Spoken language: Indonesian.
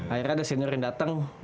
akhirnya ada senior yang datang